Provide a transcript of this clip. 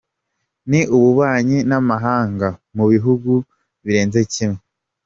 Ni ububanyi n’amahanga mu bihugu birenze kimwe.”